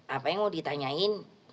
apa yang mau ditanyain